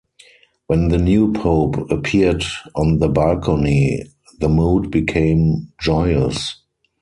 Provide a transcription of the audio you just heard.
When the new pope appeared on the balcony, the mood became joyous.